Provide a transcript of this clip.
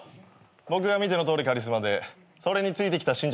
僕が見てのとおりカリスマでそれについてきた信者たちです。